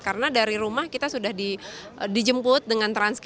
karena dari rumah kita sudah dijemput dengan transaksi